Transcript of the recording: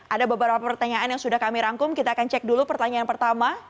ada beberapa pertanyaan yang sudah kami rangkum kita akan cek dulu pertanyaan pertama